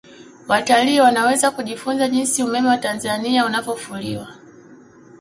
watalii wanaweza kujifunza jinsi umeme wa tanzania unavyofuliwa